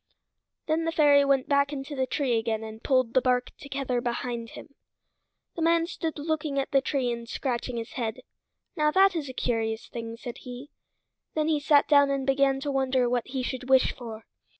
Then the fairy went back into the tree again and pulled the bark together behind him. The man stood looking at the tree and scratching his head. "Now that is a curious thing," said he. Then he sat down and began to wonder what he should wish for.